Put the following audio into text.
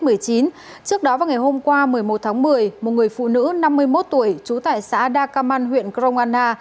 trước đó vào ngày hôm qua một mươi một tháng một mươi một người phụ nữ năm mươi một tuổi trú tại xã đa cà măn huyện grongana